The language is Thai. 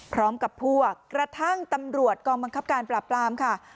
พร้อมกับพวกกระทั่งตำรวจกองบังคับการปราบปรามค่ะ